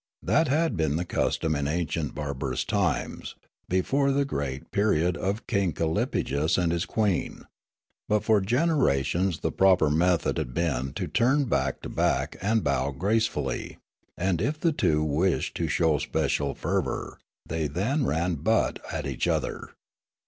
That had been the custom in ancient and bar barous times, before the great period of King Kallip}^ ges and his queen. But for generations the proper method had been to turn back to back and bow grace fully ; and if the two wished to show special fervour, they then ran butt at each other.